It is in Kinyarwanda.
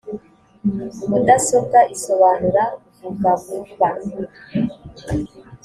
mudasobwa isobanura vuvavuba.